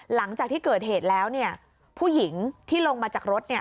หลังจากที่เกิดเหตุแล้วเนี่ยผู้หญิงที่ลงมาจากรถเนี่ย